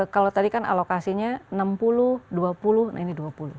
kalau tadi kan alokasinya enam puluh dua puluh nah ini dua puluh